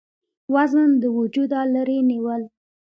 وزن د وجوده لرې نيول ،